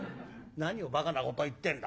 「何をばかなこと言ってんだ。